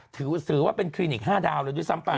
ถือว่าเป็นคลินิก๕ดาวเลยด้วยซ้ำไป